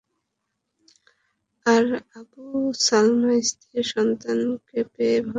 আর Abu Salama স্ত্রী ও সন্তানকে পেয়ে সৌভাগ্যবান হলেন।